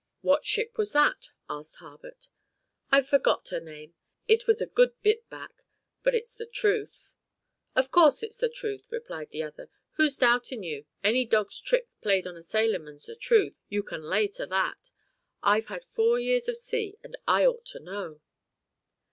"What ship was that?" asked Harbutt. "I've forgot her name, it was a good bit back but it's the truth." "Of course it's the truth," replied the other, "who's doubtin' you, any dog's trick played on a sailorman's the truth, you can lay to that. I've had four years of sea and I oughta know."